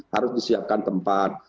harus disiapkan tempat